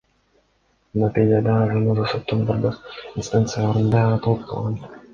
Натыйжада Заноза соттун бардык инстанцияларында утулуп калган.